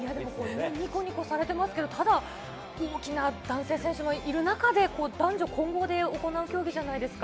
ニコニコされていますが、大きな男性選手がいる中、男女混合で行う競技じゃないですか。